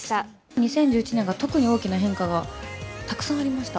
２０１１年が特に大きな変化がたくさんありました。